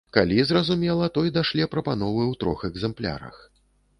Калі, зразумела, той дашле прапановы ў трох экзэмплярах.